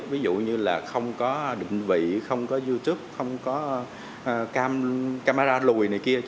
ví dụ như là không có định vị không có youtube không có camera lùi này kia